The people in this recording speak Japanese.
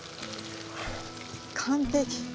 完璧。